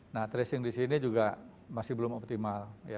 nah tracing di sini juga masih belum optimal